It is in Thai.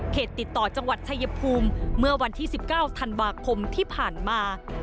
ติดต่อจังหวัดชายภูมิเมื่อวันที่๑๙ธันวาคมที่ผ่านมา